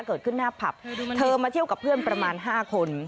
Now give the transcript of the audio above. เกิดขึ้นหน้าผับเธอมาเที่ยวกับเพื่อนประมาณ๕คน